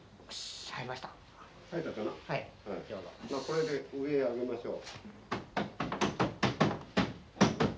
これで上へ上げましょう。